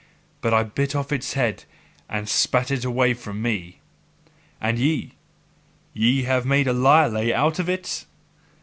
But I bit off its head and spat it away from me. And ye ye have made a lyre lay out of it?